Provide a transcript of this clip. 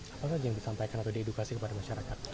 apa saja yang disampaikan atau diedukasi kepada masyarakat